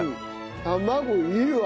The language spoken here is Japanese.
卵いいわ。